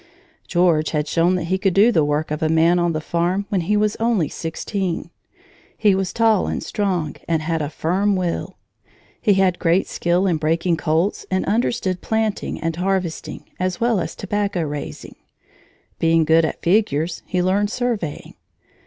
George had shown that he could do the work of a man on the farm when he was only sixteen. He was tall and strong and had a firm will. He had great skill in breaking colts and understood planting and harvesting, as well as tobacco raising. Being good at figures, he learned surveying.